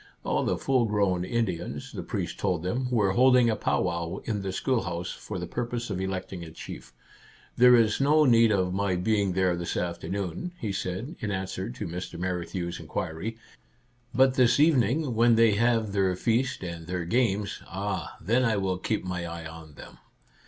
All the full grown Indians, the priest told them, were holding a pow wow in the schoolhouse, for the purpose of electing a chief. " There is no need of my being there this afternoon," he said, in answer to Mr. Men knew' s inquiry ;" but this evening, when they have their feast and their games, — ah, then I will keep my eye on them